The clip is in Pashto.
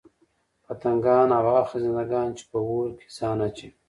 پتنگان او هغه خزندګان چې په اور كي ځان اچوي